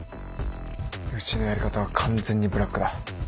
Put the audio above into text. うちのやり方は完全にブラックだ。